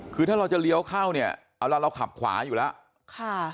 คือถ้าเราจะเลี้ยวเข้าเนี่ยเอาละเราขับขวาอยู่แล้วค่ะ